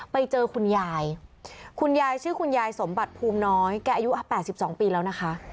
ไปเจอคุณยายคุณยายชื่อคุณยายสมบัติภูมิน้อยแกอายุ๘๒ปีแล้วนะคะ